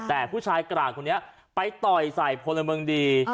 แต่ผู้ชายกลางคนนี้ไปต่อยใส่พลเมืองดี